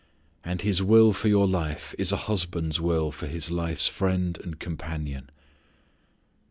And His will for your life is a husband's will for his life's friend and companion.